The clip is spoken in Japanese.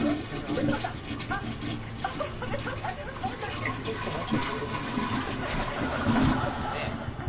「ちょっと待った」ってどういう事ですか？